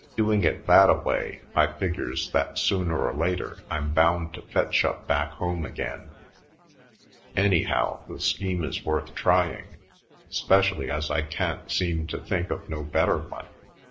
Doing it that a way I figures that sooner or later I'm bound to fetch up back home again. Anyhow, the scheme is worth trying, 'specially as I can't seem to think of no bet ter one.